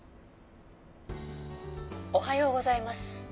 おはようございます。